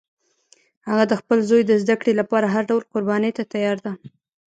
هغه د خپل زوی د زده کړې لپاره هر ډول قربانی ته تیار ده